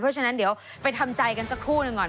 เพราะฉะนั้นเดี๋ยวไปทำใจกันสักครู่หนึ่งก่อน